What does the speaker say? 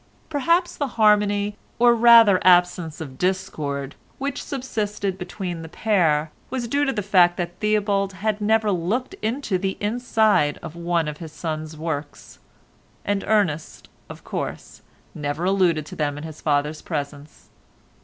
Perhaps the harmony, or rather absence of discord which subsisted between the pair was due to the fact that Theobald had never looked into the inside of one of his son's works, and Ernest, of course, never alluded to them in his father's presence.